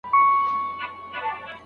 لارښود د څېړونکي هڅې ستایلې.